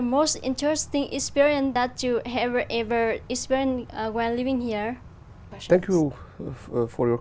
những trường hợp này là những trường hợp thú vị nhất mà các bạn có từng sống trong cuộc sống ở đây